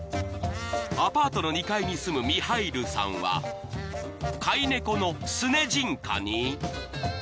［アパートの２階に住むミハイルさんは飼い猫のスネジンカに］